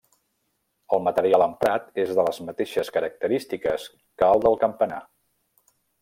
El material emprat és de les mateixes característiques que el del campanar.